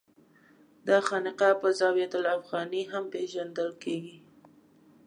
دا خانقاه په الزاویة الافغانیه هم پېژندل کېږي.